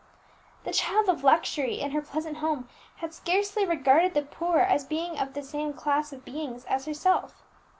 The child of luxury, in her pleasant home, had scarcely regarded the poor as being of the same class of beings as herself.